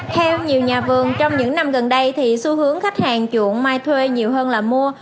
theo nhiều nhà vườn trong những năm gần đây thì xu hướng khách hàng chuộng mai thuê nhiều hơn là mua